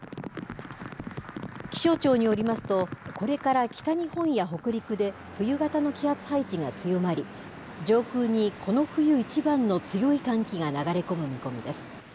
気象庁によりますと、これから北日本や北陸で冬型の気圧配置が強まり、上空にこの冬一番の強い寒気が流れ込む見込みです。